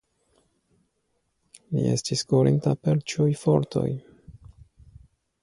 Li estis kurinta per ĉiuj fortoj.